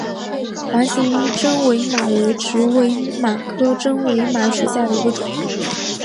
环形真绥螨为植绥螨科真绥螨属下的一个种。